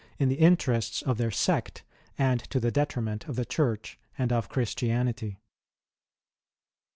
in the interests of their sect, and to the detriment of the Church and of Christianity.